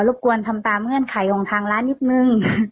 บกวนทำตามเงื่อนไขของทางร้านนิดนึง